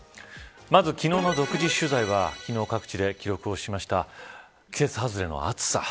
まず、昨日の独自取材は昨日、各地で記録した季節外れの暑さ。